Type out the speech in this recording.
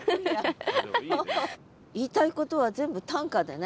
言いたいことは全部短歌でね。